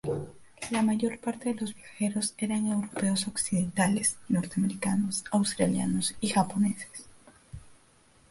La mayor parte de los viajeros eran europeos occidentales, norteamericanos, australianos y japoneses.